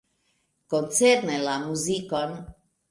Koncerne la muzikon.